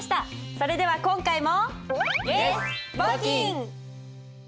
それでは今回も。